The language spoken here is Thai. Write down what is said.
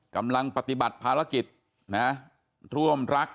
กำลังปฏิบัติภารกิจนะร่วมรัก